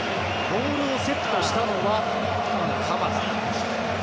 ボールをセットしたのは鎌田。